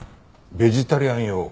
ベジタリアン用？